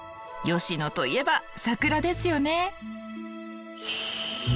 吉野といえば桜ですよね。